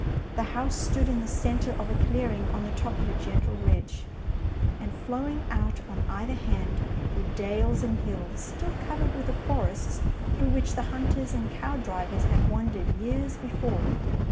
The house stood in the centre of a clearing on the top of a gentle ridge, 222 DICEY LANGSTON and flowing out on either hand were dales and hills still covered with the forests through which the hunters and cow drivers had wandered years before.